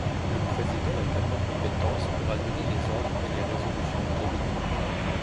Le président a également compétence pour annuler les ordres et les résolutions du Cabinet.